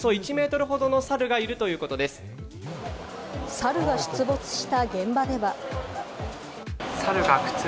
サルが出没した現場では。